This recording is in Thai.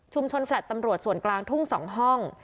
แฟลต์ตำรวจส่วนกลางทุ่ง๒ห้อง